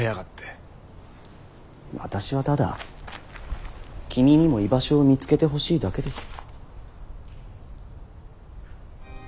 私はただ君にも居場所を見つけてほしいだけです。